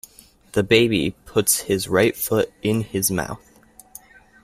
The baby puts his right foot in his mouth.